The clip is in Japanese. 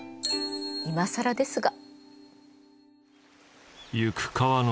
いまさらですが。